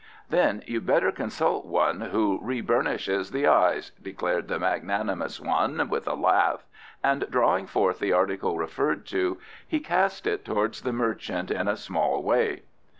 "Then you'd better consult one who reburnishes the eyes," declared the magnanimous one with a laugh, and drawing forth the article referred to he cast it towards the merchant in a small way.